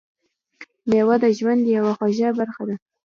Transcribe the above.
میوه د ژوند یوه خوږه برخه ده.